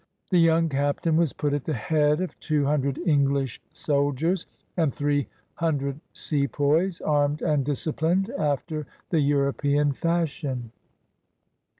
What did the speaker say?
The young captain was put at the head of two hundred English soldiers, and three hundred sepoys, armed and disciplined after the Euro pean fashion.